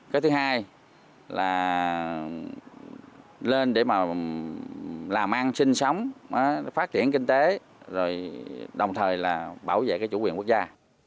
cái thứ hai là lên để mà làm ăn sinh sống phát triển kinh tế rồi đồng thời là bảo vệ cái chủ quyền quốc gia